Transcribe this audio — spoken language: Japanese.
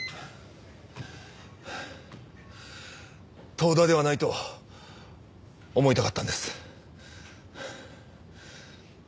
遠田ではないと思いたかったんです。